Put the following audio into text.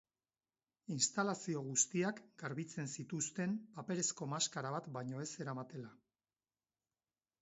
Instalazio guztiak garbitzen zituzten paperezko maskara bat baino ez zeramatela.